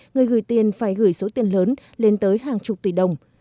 người gửi tiền phải gửi số tiền lớn lên tới hàng chục tỷ đồng